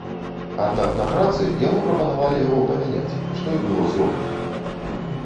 Аднак на працы яму прапанавалі яго памяняць, што і было зроблена.